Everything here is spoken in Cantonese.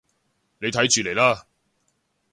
你睇住嚟啦